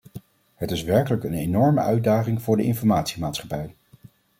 Het is werkelijk een enorme uitdaging voor de informatiemaatschappij.